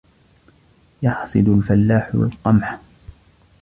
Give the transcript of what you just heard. يَحْصِدُ الْفَلاَحُ الْقَمْحَ.